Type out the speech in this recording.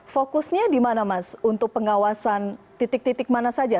fokusnya di mana mas untuk pengawasan titik titik mana saja